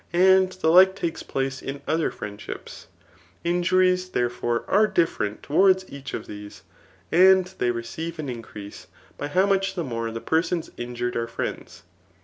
And the like takes place in other friendships. Injuries^ there for^ are different towards each of these, and they re cdve an increase, by how much the more the persons injured are friends.